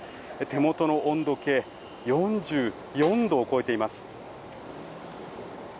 手元の温度計４４度を超えています。